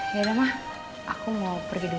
ya dah mah aku mau pergi dulu